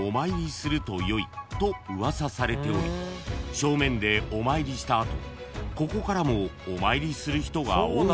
［正面でお参りした後ここからもお参りする人が多いといいます］